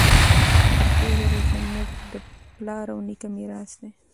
پښتو ژبه زموږ د پلار او نیکه میراث دی.